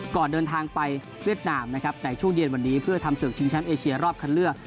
ก่อนเดินทางไปเวียดนามนะครับในช่วงเย็นวันนี้เพื่อทำศึกชิงแชมป์เอเชียรอบคันเลือก